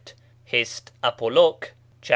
"Hist. Apoloq.," cap.